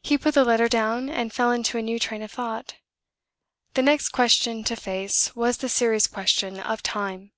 He put the letter down, and fell into a new train of thought. The next question to face was the serious question of time.